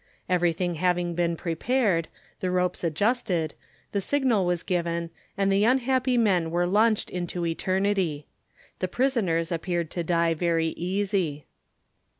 Everything having been prepared, the ropes adjusted, the signal was given, and the unhappy men were launched into eternity. The prisoners appeared to die very easy.